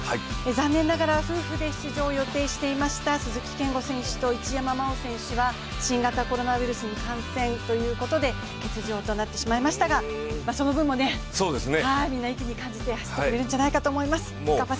残念ながら夫婦で出場を予定していました鈴木健吾選手と一山麻緒選手は新型コロナウイルスに感染ということで欠場となってしまいましたがその分も頑張ってくれるんじゃないかと思います。